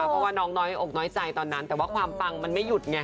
เพราะว่าน้องน้อยอกน้อยใจตอนนั้นแต่ว่าความปังมันไม่หยุดไง